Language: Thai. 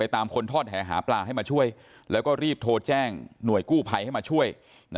ตามคนทอดแห่หาปลาให้มาช่วยแล้วก็รีบโทรแจ้งหน่วยกู้ภัยให้มาช่วย